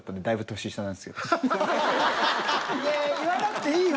言わなくていいよ